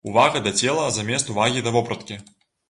Увага да цела замест увагі да вопраткі.